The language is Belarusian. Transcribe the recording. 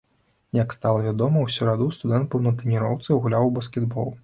Як стала вядома, у сераду студэнт быў на трэніроўцы, гуляў у баскетбол.